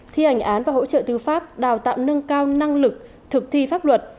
thi hành án và hỗ trợ tư pháp đào tạo nâng cao năng lực thực thi pháp luật